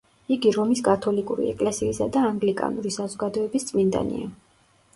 იგი რომის კათოლიკური ეკლესიისა და ანგლიკანური საზოგადოების წმინდანია.